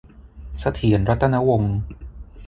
เสถียร รัตนวงศ์